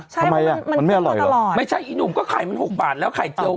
ทำไมอ่ะมันไม่อร่อยเหรอไม่ใช่อีหนุ่มก็ไข่มัน๖บาทแล้วไข่เจียว